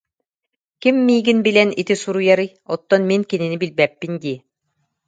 Ким миигин билэн ити суруйарый, оттон мин кинини билбэппин дии